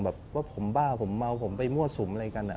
แบบว่าผมบ้าผมเมาผมไปมั่วสุมอะไรกัน